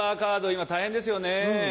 今大変ですよね。